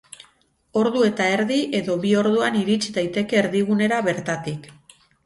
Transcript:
Ordu eta erdi edo bi orduan irits daiteke erdigunera bertatik.